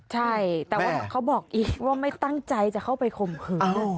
ใช่แต่ว่าเขาบอกอีกว่าไม่ตั้งใจจะเข้าไปข่มขืน